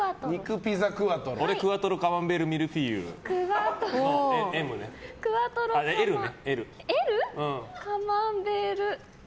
俺クワトロカマンベールミルフィーユＬね。